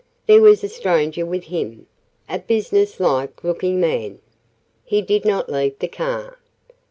There was a stranger with him a business like looking man. He did not leave the car.